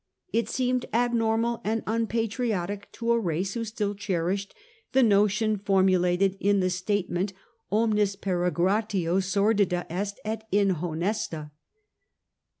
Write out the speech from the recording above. It seemed abnormal and unpatriotic to a race who still cherished the notion formulated in the statement omnis jperegrinatio sordida est et inhonesta.